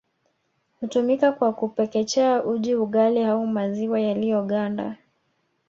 Hutumika kwa kupekechea uji ugali au maziwa yaliyoganda